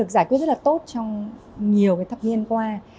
rất là tốt trong nhiều thập niên qua